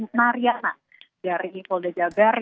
dokter ran mariana dari polda jabar